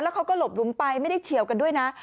เขาก็หลบหลุมไปไม่ได้เฉียวกันด้วยนะ